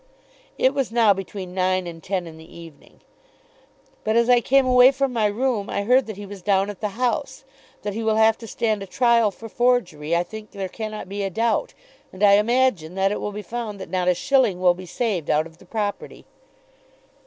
It was now between nine and ten in the evening. "But as I came away from my room, I heard that he was down at the House. That he will have to stand a trial for forgery, I think there cannot be a doubt, and I imagine that it will be found that not a shilling will be saved out of the property."